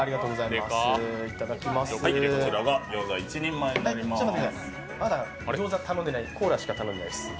まだ餃子頼んでないです、コーラしか頼んでないです。